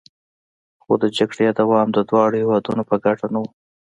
خو د جګړې دوام د دواړو هیوادونو په ګټه نه و